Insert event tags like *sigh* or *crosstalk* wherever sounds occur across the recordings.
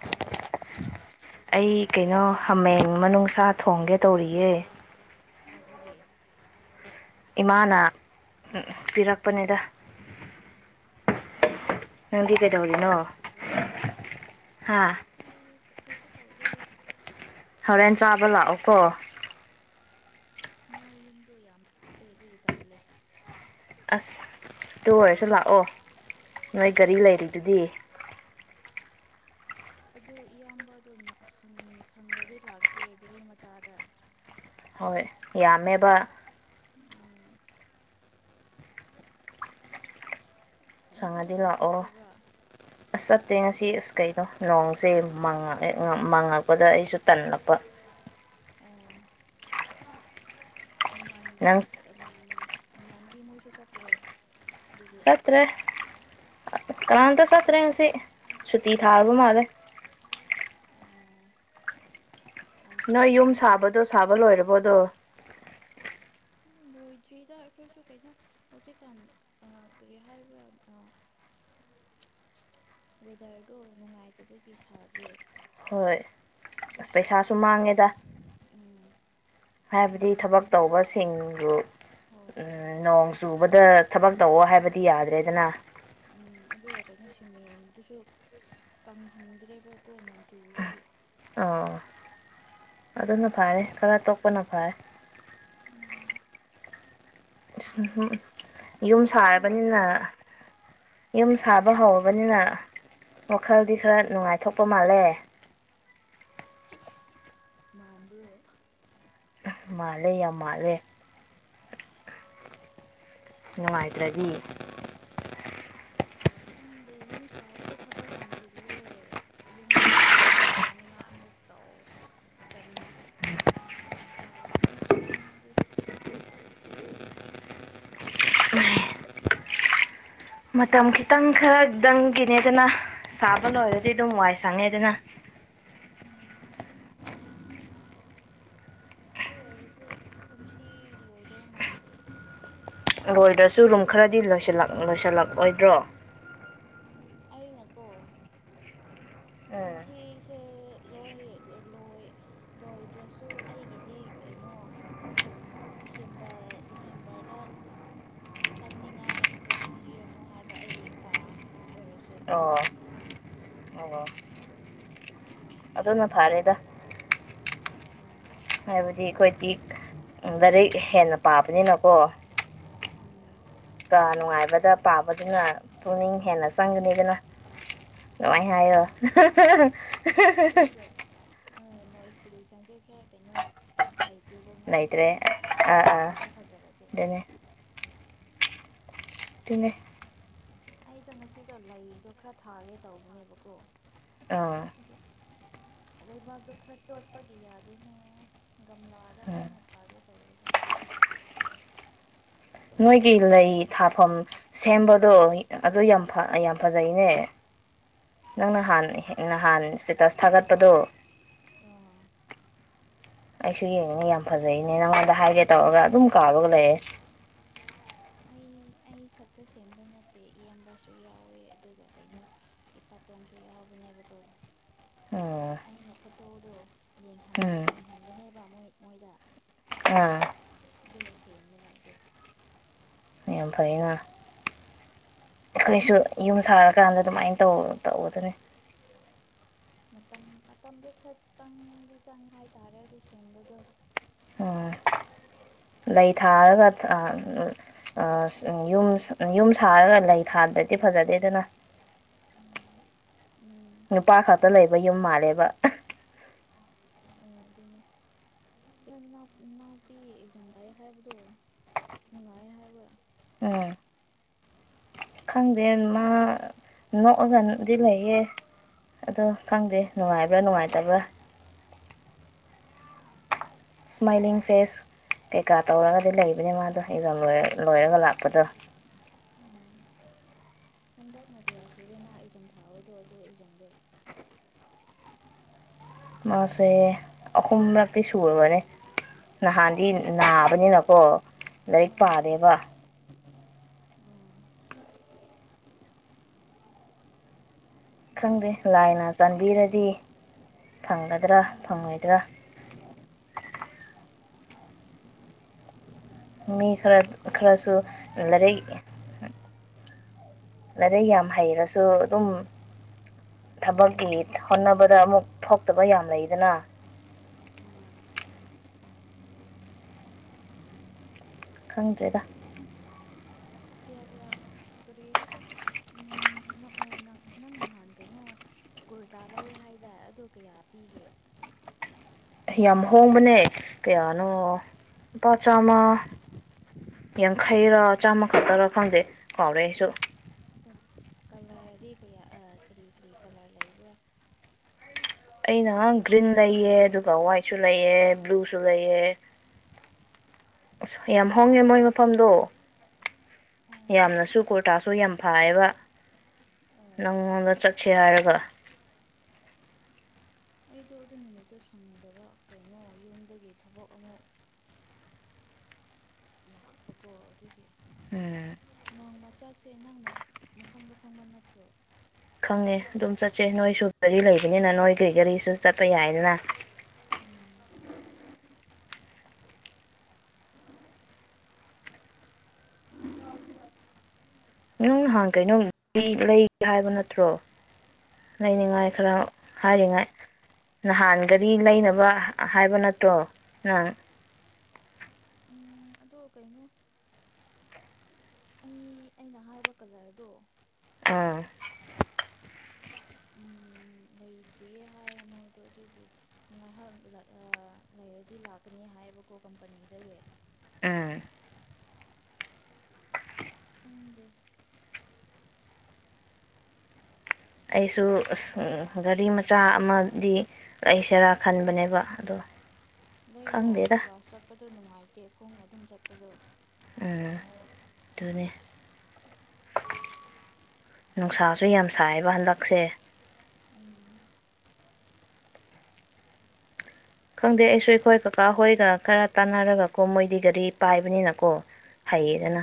ꯀꯩꯅꯣ ꯀꯩꯅꯣ ꯍꯥꯃꯦꯡ ꯃꯅꯨꯡꯅꯨꯡꯁꯥ ꯊꯣꯡꯒꯦ ꯇꯧꯔꯤꯌꯦꯦ ꯀꯥꯏꯖꯗꯒꯤ ꯏꯃꯥꯅ ꯎ ꯄꯤꯔꯛꯄꯅꯤꯗ ꯑꯗꯤ ꯀꯩꯗꯧꯔꯤꯅꯣ ꯌꯥꯝꯕ꯭ꯔꯣ ꯑꯩꯁꯨ ꯀꯩꯁꯨ ꯇꯧꯗꯦ ꯍꯣꯔꯦꯟ ꯆꯥꯕ ꯂꯥꯛꯑꯣꯀꯣ ꯏꯁꯅꯣ ꯌꯨꯝꯗꯣ ꯌꯥꯝ ꯂꯩꯔꯦ ꯑꯗꯨꯒꯤ ꯇꯜꯂꯦ ꯑꯗꯨ ꯑꯣꯏꯔꯁꯨ ꯂꯥꯛꯑꯣ ꯅꯣꯏ ꯒꯥꯔꯤ ꯂꯩꯔꯤꯗꯨꯗꯤ ꯑꯗꯨ ꯏꯌꯥꯝꯕꯗꯣ ꯁꯪ꯭ꯔꯗꯤ ꯂꯥꯛꯀꯦ ꯒꯦꯔꯤ ꯃꯆꯥꯗ ꯍꯣꯏ ꯌꯥꯝꯃꯦꯕ ꯎꯝ ꯉꯁꯤꯗꯤ ꯁꯪꯉꯗꯤ ꯀ꯭ꯂꯥꯁ ꯂꯥꯛꯑꯣ ꯆꯠꯇꯕ꯭ꯔꯥ ꯑꯁ ꯆꯠꯇꯦ ꯉꯁꯤ ꯆꯁ ꯀꯩꯅꯣ ꯅꯣꯡꯁꯦꯉꯛꯑꯦ ꯃꯥꯡꯉꯛꯄꯗ ꯑꯩꯁꯨ ꯇꯜꯂꯛꯄ ꯑꯣ ꯅꯃꯥꯖꯕꯤ ꯅꯪ ꯏꯥꯟꯕꯤ ꯃꯣꯏꯁꯨ ꯆꯠꯇ꯭ꯔꯦ ꯑꯗꯨꯗꯤ ꯆꯠꯇ꯭ꯔꯦ ꯀꯅꯥꯝꯇ ꯆꯠꯠꯇ꯭ꯔꯦ ꯁꯤ ꯁꯨꯇꯤ ꯊꯥꯔꯕ ꯃꯥꯜꯂꯦ ꯑꯣ ꯌꯥꯝ ꯅꯣꯏ ꯐꯩꯅ ꯌꯨꯝ ꯑꯗꯨꯗꯤ ꯁꯥꯕꯗꯣ ꯁꯥꯕ ꯂꯣꯏꯔꯕꯣꯗꯣ ꯕꯣꯏꯗ꯭ꯔꯤꯗ ꯑꯩꯈꯣꯏꯁꯨ ꯀꯩꯅꯣ ꯍꯧꯖꯤꯛꯀꯥꯟ ꯀꯔꯤ ꯍꯥꯏꯕ꯭ꯔꯥ ꯋꯦꯗꯔꯗꯣ ꯅꯨꯡꯉꯥꯏꯇꯕꯒꯤ ꯁꯥꯗꯦ ꯍꯣꯏ ꯑꯁ ꯄꯩꯁꯥꯁꯨ ꯃꯥꯡꯉꯦꯗ ꯀꯥꯏꯩꯅ ꯎꯝ ꯍꯥꯏꯕꯗꯤ ꯊꯕꯛ ꯇꯧꯕꯁꯤꯡꯕꯨ ꯍꯣꯏ ꯅꯣꯡ ꯆꯨꯕꯗ ꯊꯕꯛ ꯇꯧꯑꯣ ꯍꯥꯏꯕꯗꯤ ꯌꯥꯗ꯭ꯔꯦꯗꯅ ꯎꯝ ꯑꯗꯨꯒ ꯀꯩꯅꯣ ꯁꯤꯃꯦꯟꯗꯨꯁꯨ ꯀꯪꯍꯟꯗ꯭ꯔꯦꯕꯀꯣ ꯅꯣꯡ ꯆꯨꯕꯒꯤ ꯑꯣ ꯑꯗꯨꯅ ꯐꯔꯦ ꯈꯔ ꯇꯣꯛꯄꯅ ꯐꯔ ꯎꯝ ꯁꯤꯡꯁꯤꯡ ꯌꯨꯝ ꯂꯣꯏꯗꯧ ꯃꯥꯟꯗꯦ ꯁꯥꯔꯕꯅꯤꯅ ꯌꯨꯝ ꯁꯥꯕ ꯍꯧꯔꯕꯅꯤꯅ ꯋꯥꯈꯜꯗꯤ ꯈꯔ ꯅꯨꯡꯉꯥꯏꯊꯣꯛꯄ ꯃꯥꯜꯂꯦ ꯃꯥꯟꯕ꯭ꯔꯣ ꯃꯥꯜꯂꯦ ꯌꯥꯝ ꯃꯥꯜꯂꯦ ꯅꯨꯡꯉꯥꯏꯇ꯭ꯔꯗꯤ ꯈꯪꯗꯦ ꯌꯨꯝ ꯁꯥꯕꯁꯨ ꯊꯕꯛ ꯌꯥꯝ ꯆꯤꯜꯂꯦ ꯌꯨꯝꯗꯁꯨ ꯆꯥꯛ ꯊꯣꯡꯅꯤꯡꯉꯥꯏ ꯑꯃꯨꯛ ꯇꯧ ꯀꯔꯤ ꯑꯃꯨꯛ ꯁꯦꯝꯃꯦ ꯑꯗꯨꯒꯤ ꯃꯇꯝ ꯈꯤꯇꯪ ꯈꯔꯗꯪꯒꯤꯅꯦꯗꯅ ꯁꯥꯕ ꯂꯣꯏꯔꯗꯤ ꯑꯗꯨꯝ ꯋꯥꯏ ꯁꯪꯉꯦꯗꯅ ꯎꯝ ꯑꯗꯨ ꯑꯣꯏꯔꯁꯨ ꯀꯨꯝꯁꯤ ꯂꯣꯏꯗꯧ ꯃꯥꯟꯗꯦ ꯂꯣꯏꯗ꯭ꯔꯁꯨ ꯔꯨꯝ ꯈꯔꯗꯤ ꯂꯣꯏꯁꯤꯜꯂꯛꯑꯣꯣꯏꯗ꯭ꯔꯣ ꯑꯩꯅꯀꯣ ꯎꯝ ꯀꯨꯝꯁꯤꯁꯦ ꯂꯣꯏ ꯂꯣꯏꯗ꯭ꯔꯁꯨ ꯑꯩꯒꯤꯗꯤ ꯀꯩꯅꯣ ꯗꯤꯁꯦꯝꯕꯔ ꯗꯤꯁꯦꯝꯕꯔꯗ ꯆꯪꯅꯤꯡꯉꯥꯏ ꯂꯣꯏꯁꯤꯟꯕꯤꯔꯝꯃꯣ ꯍꯥꯏꯕ ꯑꯩꯒꯤ ꯀꯥ ꯑꯣꯏꯔꯁꯨ ꯑꯣ ꯑꯣ ꯑꯗꯨꯅ ꯐꯥꯔꯦꯗ ꯎꯝ ꯍꯥꯏꯕꯗꯤ ꯑꯩꯈꯣꯏ ꯇꯤꯛ ꯂꯥꯏꯔꯤꯛ ꯍꯦꯟꯅ ꯄꯥꯕꯅꯤꯅꯀꯣ ꯎꯝ ꯅꯨꯡꯉꯥꯏꯕꯗ ꯄꯥꯕꯗꯨꯅ ꯄꯨꯛꯅꯤꯡ ꯍꯦꯟꯅ ꯆꯪꯒꯅꯤꯗꯅ ꯑꯣ ꯅꯨꯡꯃꯥꯏ ꯍꯥꯏꯣ ꯑꯗꯨꯅꯦ ꯑ ꯅꯣꯣꯏꯖ ꯄꯣꯂꯨꯁꯟꯁꯨ ꯈꯔ ꯀꯩꯅꯣ ꯂꯩꯇꯦꯗꯅ ꯅꯥꯏꯠ꯭ꯔꯦ ꯑꯥ ꯑꯥ ꯀꯥꯗꯣ ꯐꯖꯔꯗꯤ ꯑꯗꯨꯅꯦ ꯇꯅꯦ ꯑꯩꯗꯣ ꯉꯁꯤꯗꯣ ꯂꯩꯗꯣ ꯈꯔ ꯊꯥꯒꯦ ꯇꯧꯕꯅꯦꯕꯀꯣ ꯑꯥ ꯑꯗꯨ ꯂꯩꯕꯥꯛꯇꯣ ꯈꯔ ꯆꯣꯠꯄꯒꯤ ꯌꯥꯗꯦꯅꯦ ꯒꯝꯂꯥꯗ ꯎꯝ ꯑꯣꯏꯅ ꯊꯥꯒꯦ ꯇꯧꯔꯒ ꯅꯣꯏꯒꯤ ꯂꯩ ꯊꯥꯐꯝ ꯁꯦꯝꯕꯗꯣ ꯑꯗꯨ ꯌꯥꯝ ꯌꯥꯝ ꯐꯖꯩꯅꯦ ꯅꯪꯅꯍꯥꯟ ꯅꯍꯥꯟ ꯏꯁꯇꯦꯇꯁ ꯊꯥꯒꯠꯄꯗꯣ ꯑꯥ ꯑꯩꯁꯨ ꯌꯦꯡꯅꯤꯡꯅꯤ ꯌꯥꯝ ꯐꯖꯩꯅꯦ ꯅꯪꯉꯣꯟꯗ ꯍꯥꯏꯒꯦ ꯇꯧꯔꯒ ꯑꯗꯨꯝ ꯀꯥꯕꯒ ꯂꯩꯔꯦ ꯑꯩ ꯑꯩ ꯈꯛꯇ ꯁꯦꯝꯕ ꯅꯠꯇꯦ ꯏꯌꯥꯝꯝꯕꯁꯨ ꯌꯥꯎꯋꯦ ꯑꯗꯨꯒ ꯀꯩꯅꯣ ꯏꯄꯥꯇꯣꯟꯁꯨ ꯌꯥꯎꯕꯅꯦꯕꯀꯣ ꯎꯝ ꯑꯩꯅ ꯐꯣꯇꯣꯗꯣ ꯎꯝ ꯌꯦꯡꯍꯟꯕꯅꯦꯕꯣꯏ ꯃꯣꯏꯗ ꯑꯥ ꯑꯗꯨꯒ ꯁꯦꯝꯕꯅꯦ ꯑꯗꯨ ꯌꯥꯝ ꯐꯩ ꯉꯥ ꯑꯩꯈꯣꯏꯁꯨ ꯌꯨꯝ ꯁꯥꯔꯀꯥꯟꯗ ꯑꯗꯨꯃꯥꯏꯅ ꯇꯧꯕꯗꯨꯅꯤ ꯃꯇꯝ ꯃꯇꯝꯗꯤ ꯈꯔ ꯆꯪꯗꯤ ꯆꯪꯏꯦ ꯍꯥꯏꯇꯥꯔꯦ ꯑꯗꯨ ꯁꯦꯝꯕꯗꯣ ꯎꯝ ꯂꯩ ꯊꯥꯔꯒ ꯌꯨꯝ ꯌꯨꯝ ꯁꯥꯔꯒ ꯂꯩ ꯊꯥꯕ꯭ꯔꯗꯤ ꯐꯖꯗꯦꯗꯅ ꯎꯝ ꯅꯨꯄꯥ ꯈꯛꯇ ꯂꯩꯕ ꯌꯨꯝ ꯃꯥꯜꯂꯦꯕ ꯑꯗꯨꯅꯦ ꯀꯩꯅꯣ ꯏꯅꯥꯎꯄꯤ ꯑꯦꯛꯖꯥꯝꯗꯥꯏ ꯍꯥꯏꯕꯗꯣ ꯅꯨꯡꯉꯥꯏꯌꯦ ꯍꯥꯏꯕ꯭ꯔꯥ ꯎꯝ ꯈꯪꯗꯦ ꯃꯥ ꯅꯣꯛꯑꯒꯗꯤ ꯂꯩꯌꯦ ꯑꯗꯣ ꯈꯪꯗꯦ ꯅꯨꯡꯉꯥꯏꯕ꯭ꯔꯥ ꯅꯨꯡꯉꯥꯏꯇꯕ꯭ꯔꯥ ꯏꯁꯃꯥꯏꯂꯤꯡ ꯐꯦꯁ ꯀꯩꯀꯥ ꯇꯧꯔꯒꯗꯤ ꯂꯩꯕꯅꯦ ꯃꯥꯗꯣ ꯑꯦꯛꯖꯥꯝ ꯂꯣꯏꯔꯒ ꯂꯥꯛꯄꯗꯣ ꯑꯥ ꯍꯟꯗꯛꯅ ꯀꯌꯥ ꯁꯨꯔꯦ ꯃꯥ ꯑꯦꯛꯖꯥꯝ ꯊꯥꯕꯗꯣ ꯑꯗꯨ ꯑꯦꯛꯖꯥꯝꯗꯣ ꯃꯥꯁꯦ ꯑꯍꯨꯝꯂꯛꯇꯤ ꯁꯨꯔꯕꯅꯦ ꯅꯍꯥꯟꯗꯤ ꯅꯥꯕꯅꯤꯅꯀꯣ ꯂꯥꯏꯔꯤꯛ ꯑꯥ ꯄꯥꯔꯦꯕ ꯑꯥ ꯈꯪꯗꯦ ꯅꯨꯡꯉꯥꯏꯇꯦꯍꯦ ꯂꯥꯏꯅ ꯆꯥꯟꯕꯤꯔꯗꯤ ꯐꯪꯒꯗ꯭ꯔꯥ ꯎꯝ ꯐꯪꯉꯣꯏꯗ꯭ꯔꯥ ꯃꯤ ꯈꯔ ꯑꯩꯈꯣꯏꯁꯨ ꯈꯔꯁꯨ ꯂꯥꯏꯔꯤꯛ *unintelligible* ꯂꯔꯦꯛ ꯌꯥꯝ ꯍꯩꯔꯁꯨ ꯑꯗꯨꯝ ꯊꯕꯛꯀꯤ ꯍꯣꯠꯅꯕꯗ ꯑꯃꯨꯛ ꯊꯣꯛꯇꯕ ꯌꯥꯝ ꯂꯩꯗꯅ ꯎꯝ ꯈꯪꯗꯦꯗ ꯀꯌꯥ ꯀꯌꯥ ꯀꯔꯤ ꯍꯥꯏꯕ ꯅꯪ ꯅꯍꯥꯟ ꯀꯩꯅꯣ ꯀꯨꯔꯇꯥ ꯂꯧꯋꯦ ꯍꯥꯏꯇꯥꯔꯦ ꯑꯗꯨꯗ ꯀꯌꯥ ꯄꯤꯒꯦ ꯌꯥꯝ ꯍꯣꯡꯕꯅꯦ ꯀꯌꯥꯅꯣ ꯂꯨꯄꯥ ꯆꯥꯝꯃ ꯌꯥꯡꯈꯩꯔꯥ ꯆꯥꯝꯃ ꯈꯛꯇꯔ ꯈꯪꯗꯦ ꯀꯥꯎꯔꯦ ꯑꯩꯁꯨ ꯑꯗꯨꯝ ꯀꯌꯥ ꯀꯔꯤ ꯀꯔꯤ ꯀꯂꯔ ꯂꯩꯕ꯭ꯔꯥ ꯑꯩꯅ ꯒ꯭ꯔꯤꯟ ꯂꯩꯌꯦ ꯑꯗꯨꯒ ꯋꯥꯏꯠꯁꯨ ꯂꯩꯑꯦ ꯕ꯭ꯂꯨꯁꯨ ꯂꯩꯑꯦ ꯑꯁ ꯌꯥꯝ ꯍꯣꯡꯉꯦ ꯃꯣꯏ ꯃꯐꯝꯗꯣ ꯑꯣ ꯌꯥꯝꯅꯁꯨ ꯀꯨꯔꯇꯥꯁꯨ ꯌꯥꯝ ꯐꯌꯦꯕ ꯑꯣ ꯅꯪꯉꯣꯟꯗ ꯆꯠꯁ ꯍꯥꯏꯔꯒ ꯑꯩꯗꯣ ꯑꯗꯨ ꯅꯨꯃꯤꯠꯇꯨ ꯁꯪꯗꯕ ꯀꯩꯅꯣ ꯌꯨꯝꯗꯒꯤ ꯊꯕꯛ ꯑꯃꯨꯛ ꯂꯥꯛꯄꯀꯣ ꯑꯗꯨ ꯑꯦꯝ ꯆꯥꯛꯁꯦ ꯑꯅꯥꯥꯡꯕ ꯃꯐꯝꯗꯣ ꯈꯪꯕ ꯅꯠꯇ꯭ꯔꯣ ꯈꯪꯉꯦ ꯑꯗꯨꯝ ꯆꯠꯁꯦ ꯅꯣꯏꯁꯨ ꯒꯥꯔꯤ ꯂꯩꯕꯅꯤꯅ ꯅꯣꯏꯒꯤ ꯒꯥꯔꯤꯁꯨ ꯆꯠꯄ ꯌꯥꯏꯗꯅ ꯎꯝ ꯅꯪ ꯅꯍꯥꯟ ꯀꯩꯅꯣꯝꯗꯤ ꯂꯩꯒꯦ ꯍꯥꯏꯕ ꯅꯠꯇ꯭ꯔꯣ ꯂꯩꯅꯤꯡꯉꯥꯏ ꯀꯔꯤ ꯈꯔ ꯍꯥꯏꯔꯤꯉꯥꯏ ꯅꯍꯥꯟꯒꯔꯤ ꯂꯩꯅꯕ ꯍꯥꯏꯕ ꯅꯠꯇ꯭ꯔꯣ ꯅꯪ ꯑꯗꯣ ꯀꯩꯅꯣ ꯑꯩ ꯑꯩꯅ ꯍꯥꯏꯕ ꯀꯂꯔꯗꯣ ꯑꯝ ꯎ ꯂꯩꯇ꯭ꯔꯤꯌꯦ ꯍꯥꯏꯌꯦ ꯃꯣꯏꯗꯣ ꯑꯗꯨꯒꯤ ꯉꯥꯏꯍꯥꯛ ꯂꯩꯔꯗꯤ ꯂꯥꯛꯀꯅꯤ ꯍꯥꯏꯌꯦꯕꯀꯣ ꯀꯝꯄꯅꯤꯗꯒꯤ ꯎꯝ ꯈꯪꯗꯦ ꯑꯩꯁꯨ ꯑꯁ ꯒꯥꯔꯤ ꯃꯆꯥ ꯑꯃꯗꯤ ꯂꯩꯁꯤꯔꯥ ꯈꯟꯕꯅꯦꯕ ꯑꯗꯣ ꯂꯩꯔꯣ ꯈꯪꯗꯦꯗ ꯕ ꯆꯠꯄꯗꯣ ꯅꯨꯡꯉꯥꯏꯇꯦ ꯈꯣꯡ ꯑꯗꯨꯝ ꯆꯠꯄꯗꯣ ꯎꯝ ꯑꯗꯨꯅꯤ ꯅꯨꯡꯁꯥꯁꯨ ꯌꯥꯝ ꯁꯥꯏꯌꯦꯕ ꯍꯟꯗꯛꯁꯦ ꯎꯝ ꯈꯪꯗꯦ ꯑꯩꯁꯨ ꯑꯩꯈꯣꯏ ꯀꯀꯥ ꯍꯣꯏꯒ ꯈꯔ ꯇꯥꯟꯅꯔꯒꯀꯣ ꯃꯣꯏꯗꯤ ꯒꯥꯔꯤ ꯄꯥꯏꯕꯅꯤꯅꯀꯣ ꯍꯩꯌꯦꯗꯅ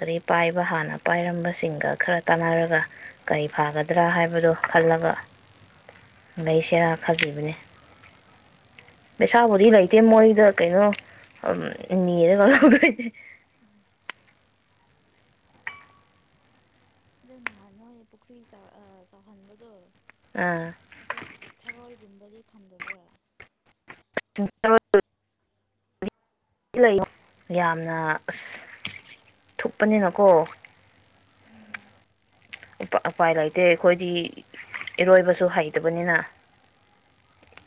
ꯒꯥꯔꯤ ꯄꯥꯏꯕ ꯍꯥꯟꯅ ꯄꯥꯏꯔꯝꯕꯁꯤꯡꯒ ꯈꯔ ꯇꯥꯟꯅꯔꯒ ꯀꯔꯤ ꯐꯥꯒꯗ꯭ꯔꯥ ꯍꯥꯏꯕꯗꯣ ꯈꯜꯂꯒ ꯂꯩꯁꯤꯔꯥ ꯑꯣ ꯈꯥꯕꯤꯕꯅꯤ ꯄꯩꯁꯥꯕꯨꯗꯤ ꯂꯩꯇꯦ ꯃꯣꯏꯗ ꯀꯩꯅꯣ ꯅꯅꯤꯔꯗꯣꯏ ꯑꯗ ꯅꯍꯥꯟ ꯅꯣꯏ ꯄꯨꯈ꯭ꯔꯤ ꯆꯥꯎꯍꯟꯕꯗꯣ ꯑꯥ ꯑꯗ ꯊꯔꯣꯏ ꯨꯝꯕꯗꯤ ꯊꯝꯖꯕ꯭ꯔꯥ ꯌꯥꯝꯅ ꯑꯁ ꯊꯨꯞꯄꯅꯤꯅꯀꯣ ꯎꯄꯥꯏ ꯂꯩꯇꯦ ꯑꯩꯈꯣꯏꯗꯤ ꯏꯔꯣꯏꯕꯁꯨ ꯍꯩꯇꯕꯅꯤꯅ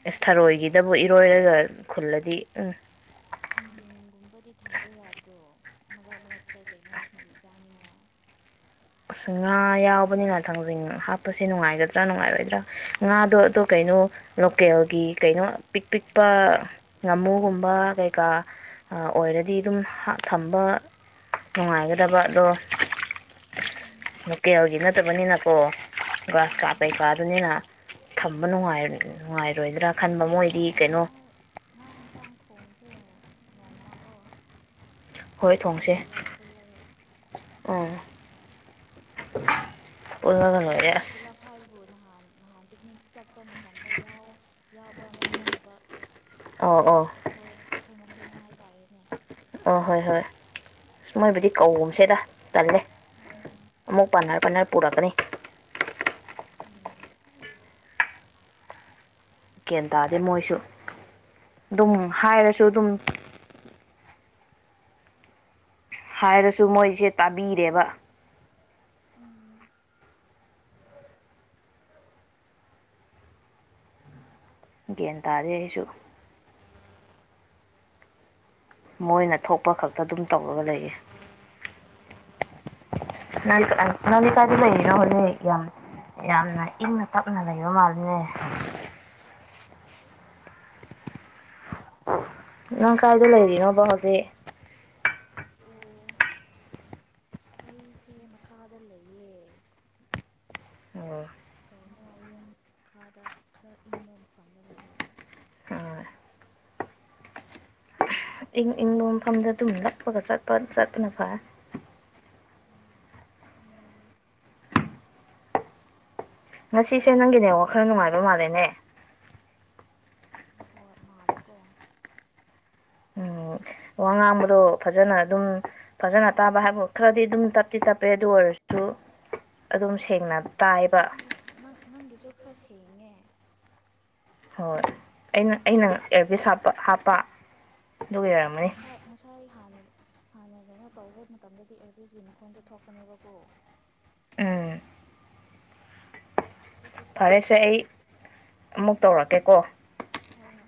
ꯑꯦ ꯑꯗꯣ ꯊꯔꯣꯏꯒꯤꯗꯕꯨ ꯏꯔꯣꯏꯔꯒ ꯈꯨꯜꯂ ꯗꯤ ꯎꯝ ꯊꯥꯡꯖꯤꯡꯒꯨꯝꯕꯗꯤ ꯊꯝꯕ ꯌꯥꯗ꯭ꯔꯣ ꯃꯔꯛ ꯃꯔꯛꯇ ꯀꯩꯅꯣꯁꯤꯡꯁꯨ ꯆꯥꯅꯤꯡꯉꯦ ꯑꯁ ꯉꯥ ꯌꯥꯎꯕꯅꯤꯅ ꯊꯥꯡꯖꯤꯡ ꯍꯥꯞꯄꯁꯦ ꯅꯨꯡꯉꯥꯏꯒꯗ꯭ꯔꯥ ꯅꯨꯡꯉꯥꯏꯔꯣꯏꯗ꯭ꯔꯥ ꯉꯥꯗꯣ ꯑꯗꯣ ꯀꯩꯅꯣ ꯂꯣꯀꯦꯜꯒꯤ ꯀꯩꯅꯣ ꯄꯤꯛ ꯄꯤꯛꯄ ꯉꯥꯃꯨꯒꯨꯝꯕ ꯀꯩꯀꯥ ꯑꯣꯏꯔꯗꯤ ꯑꯗꯨꯝ ꯊꯝꯕ ꯅꯨꯡꯉꯥꯏꯒꯗꯕ ꯑꯗꯣ ꯑꯁ ꯎꯝ ꯂꯣꯀꯦꯜꯒꯤ ꯅꯠꯇꯕꯅꯤꯅꯀꯣ ꯒ꯭ꯔꯥꯁ ꯀꯥ ꯎꯝ ꯀꯩꯀꯥꯗꯨꯅꯤꯅ ꯊꯝꯕꯅꯨꯡꯥꯏ ꯅꯨꯡꯉꯥꯏ ꯅꯨꯡꯉꯥꯏꯔꯣꯏꯗ꯭ꯔꯥ ꯌꯥꯝ ꯈꯟꯕ ꯀꯩꯅꯣ ꯉꯥ ꯃꯣꯏꯗꯤ ꯉꯥ ꯌꯦꯟꯁꯥꯡ ꯊꯣꯡꯁ ꯁ ꯅꯣꯡꯃꯀ ꯍꯣꯏ ꯊꯣꯡꯁꯦ ꯑꯥ *inaudible* ꯂꯣꯏꯔꯦ ꯑꯩꯈꯣꯏ ꯑꯁ ꯄꯨꯂꯞ ꯍꯥꯏꯕꯕꯨ ꯅꯍꯥꯟ ꯑ ꯄꯤꯛꯅꯤꯛ ꯆ ꯆꯠꯄ ꯃꯇꯝꯗ ꯌꯥꯎ ꯌꯥꯎꯕ ꯃꯤ ꯅꯠꯇꯕ ꯑꯩꯈꯣꯏ ꯑꯩꯈꯣꯏ ꯃꯁꯦꯟ ꯍꯅ ꯑ ꯍꯣꯏ ꯍꯣꯏ ꯑ ꯃꯣꯏꯕꯨꯗꯤ ꯀꯧꯒꯨꯝꯁꯦꯗ ꯇꯦ ꯃꯨ ꯄꯥꯟꯔ ꯄꯥꯟꯔ ꯄꯨꯔꯛꯀꯅꯤ ꯎꯝ ꯒꯌꯥꯟ ꯇꯥꯗꯦ ꯃꯣꯏꯁꯨ ꯑꯗꯨꯝ ꯍꯥꯏꯔꯁꯨ ꯑꯗꯨꯝ ꯍꯥꯏꯔꯁꯨ ꯃꯣꯏꯁꯦ ꯇꯥꯕꯤꯔꯦꯕ ꯎꯝ ꯒ꯭ꯟ ꯇꯥꯗꯦ ꯑꯩꯁꯨ ꯃꯣꯏꯅ ꯊꯣꯛꯄ ꯈꯛꯇ ꯑꯗꯨꯝ ꯇꯧꯔꯒ ꯂꯩꯌꯦ ꯅꯥꯂꯤꯀꯥꯗꯤ ꯂꯩꯔꯤꯅꯣ ꯍꯣꯂ ꯌꯥꯝ ꯌꯥꯝꯅ ꯏꯪꯅ ꯇꯞꯅ ꯂꯩꯕ ꯃꯥꯜꯅꯦ ꯅꯪ ꯀꯥꯏꯗ ꯂꯩꯔꯤꯅꯣꯕ ꯍꯧꯖꯤꯛ ꯑꯣ ꯑꯩꯁꯦ ꯃꯈꯥꯗ ꯂꯩꯌꯦ ꯑꯣ ꯀꯩꯅꯣ ꯌꯨꯝꯥꯗ ꯈꯔ ꯏꯪꯕ ꯐꯪꯅ ꯂꯩꯕ ꯑꯣ ꯏꯪ ꯏꯪꯕ ꯃꯐꯝꯗ ꯑꯗꯨꯝ ꯂꯠꯄꯒ ꯆꯠꯄ ꯆꯠꯄꯅ ꯐꯔ ꯎꯝ ꯉꯁꯤꯁꯦ ꯅꯪꯒꯤꯅꯦ ꯋꯥ ꯈꯔ ꯅꯨꯡꯉꯥꯏꯕ ꯃꯥꯜꯂꯦꯅꯦ ꯍꯣꯏ ꯃꯥꯂꯦꯀꯣ ꯎꯝ ꯋꯥ ꯉꯥꯡꯕꯗꯣ ꯐꯖꯅ ꯑꯗꯨꯝ ꯐꯖꯅ ꯇꯥꯕ ꯍꯥꯏꯕ ꯈꯔꯗꯤ ꯑꯗꯨꯝ ꯇꯞꯇꯤ ꯇꯞꯄꯦ ꯑꯗꯨ ꯑꯣꯏꯔꯁꯨ ꯑꯗꯨꯝ ꯁꯦꯡꯅ ꯇꯥꯏꯕ ꯍꯣꯏ ꯅꯪ ꯅꯪꯒꯤꯁꯨ ꯈꯔ ꯁꯦꯡꯉꯦ ꯍꯣꯏ ꯑꯩꯅ ꯑꯩꯅꯪ ꯑꯦꯔꯕꯤꯁ ꯍꯥꯄ ꯍꯥꯞꯄ ꯑ ꯑꯗꯨꯒꯤ ꯑꯣꯏꯔꯝꯃꯅꯤ ꯉꯁꯥꯏ ꯉꯁꯥꯏ ꯍꯥꯟꯅ ꯍꯥꯟꯅ ꯀꯩꯅꯣ ꯇꯧꯕ ꯃꯇꯝꯗꯗꯤ ꯑꯦꯔꯕꯤꯦꯁꯀꯤ ꯃꯈꯣꯟꯗꯣ ꯊꯣꯛꯄꯅꯦꯕꯀꯣ ꯑ ꯍꯧꯖꯤꯤ ꯐꯔꯦꯁꯦ ꯊꯣꯛꯇ꯭ꯔꯦ ꯑꯩ ꯑꯃꯨꯛ ꯇꯧꯔꯛꯀꯦꯀꯣ ꯍꯣꯏ ꯍꯣꯏ